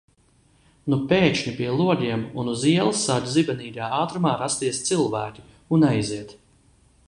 Nu pēkšņi pie logiem un uz ielas sāk zibenīgā ātrumā rasties cilvēki un aiziet...